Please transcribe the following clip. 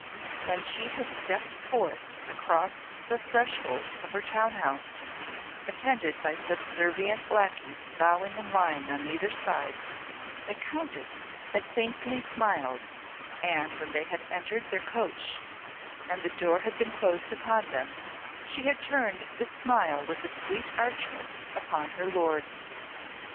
When she had stepped forth across the threshold of her town house, attended by subservient lacqueys bowing in line on either side, the Countess had faintly smiled, and when they had entered their coach and the door been closed upon them, she had turned this smile with a sweet archness upon her lord.